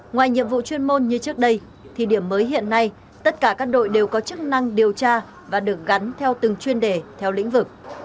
ngoài nhiệm vụ chuyên môn như trước đây thì điểm mới hiện nay tất cả các đội đều có chức năng điều tra và được gắn theo từng chuyên đề theo lĩnh vực